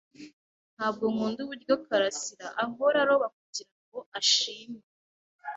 Ntabwo nkunda uburyo Kalasira ahora aroba kugirango ashimwe.